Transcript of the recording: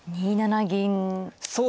２七銀と。